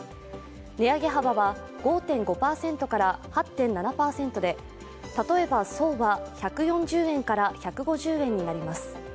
値上げ幅は５．５％から８．７％で例えば、爽は１４０円から１５０円になります。